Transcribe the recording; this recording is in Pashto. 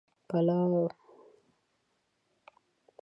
پلو